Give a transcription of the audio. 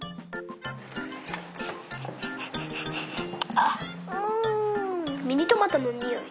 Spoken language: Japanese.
あっうんミニトマトのにおい。